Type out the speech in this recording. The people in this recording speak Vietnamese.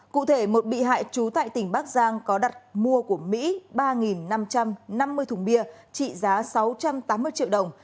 cụ thể một bị hại trú tại tỉnh bắc giang có đặt mua của mỹ ba năm trăm năm mươi thùng bia trị giá sáu trăm tám mươi triệu đồng